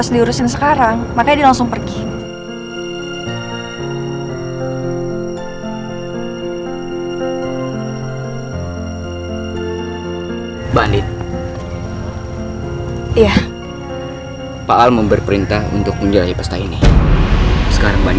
dia mau pergi kemana bilang sama aku